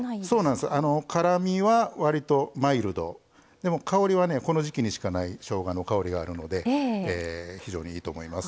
でも香りはねこの時季にしかないしょうがの香りがあるので非常にいいと思います。